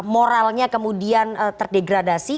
moralnya kemudian terdegradasi